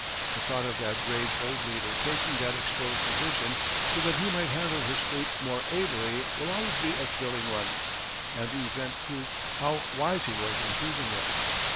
The thought of that brave old leader taking that exposed position so that he might handle his fleet more ably will always be a thrilling one and the event proved how wise he was in choosing it.